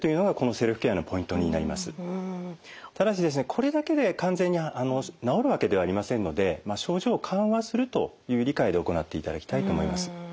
これだけで完全に治るわけではありませんので症状を緩和するという理解で行っていただきたいと思います。